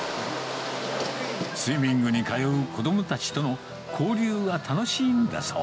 スイミングに通う子どもたちとの交流が楽しいんだそう。